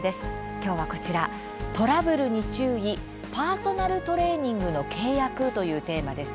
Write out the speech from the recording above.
今日はこちら「トラブルに注意パーソナルトレーニングの契約」というテーマです。